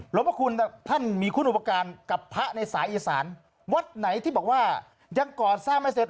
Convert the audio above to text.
พระคุณท่านมีคุณอุปการณ์กับพระในสายอีสานวัดไหนที่บอกว่ายังก่อสร้างไม่เสร็จ